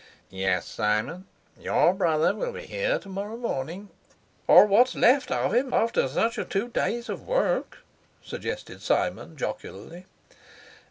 "Yes, Simon, your brother will be here to morrow morning." "Or what's left of him after such a two days of work," suggested Simon jocularly.